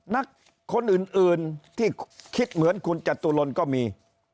นักเรียนคนอื่นที่คิดเหมือนคุณจตุรนก็มี